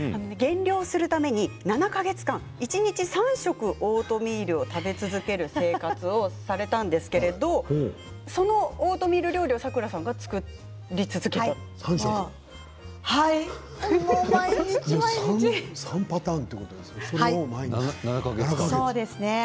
減量するために７か月間一日３食オートミールを食べ続ける生活をされたんですけれどそのオートミール料理をさくらさんが作り続けたんですね。